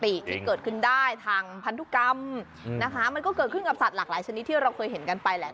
ที่เกิดขึ้นได้ทางพันธุกรรมนะคะมันก็เกิดขึ้นกับสัตว์หลากหลายชนิดที่เราเคยเห็นกันไปแหละ